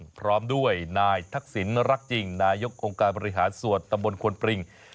พร้อมด้วยนายทักษิณรักจริงนายกองค์การบริหารส่วนตำบลควนปริง